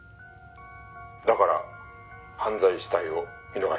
「だから犯罪死体を見逃してしまった？」